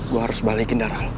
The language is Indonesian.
gue harus balikin darah